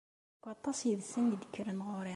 Deg waṭas yid-sen i d-kkren ɣur-i.